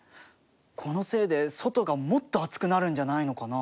このせいで外がもっと暑くなるんじゃないのかな？